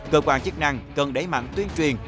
cơ quan chức năng cần đẩy mạnh tuyên truyền